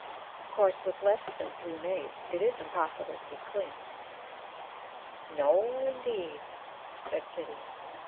Of course, with less than three maids it is impossible to be clean." "No, indeed," said Kitty.